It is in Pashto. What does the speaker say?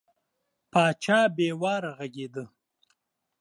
پاچا بې واره غږېده.